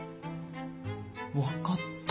分かった！